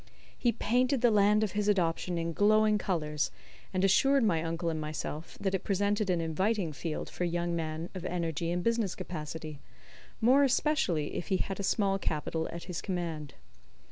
He painted the land of his adoption in glowing colours, and assured my uncle and myself that it presented an inviting field for a young man of energy and business capacity, more especially if he had a small capital at his command.